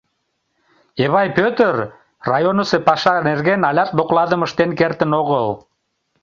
Эвай Пӧтыр районысо паша нерген алят докладым ыштен кертын огыл.